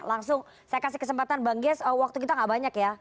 langsung saya kasih kesempatan bang gies waktu kita gak banyak ya